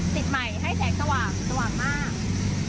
ติดใหม่ให้แสงสว่างสว่างมาก